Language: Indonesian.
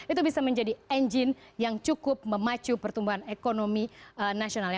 itu bisa menjadi engine yang cukup memacu pertumbuhan ekonomi nasional